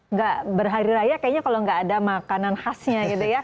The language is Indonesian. nggak berhari raya kayaknya kalau nggak ada makanan khasnya gitu ya